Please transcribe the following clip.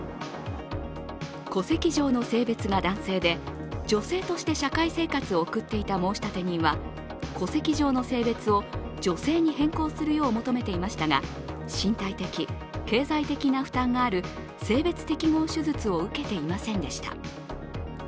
戸籍上の性別が男性で女性として社会生活を送っていた申立人は戸籍上の性別を女性に変更するよう求めていましたが身体的、経済的な負担がある性別適合手術を受けていませんでした。